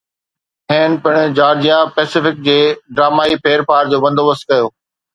mister هيئن پڻ Georgia Pacific جي ڊرامائي ڦيرڦار جو بندوبست ڪيو